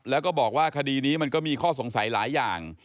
แล้วก็บอกว่าคดีนี้มันก็มีข้อสงสัยหลายอย่าง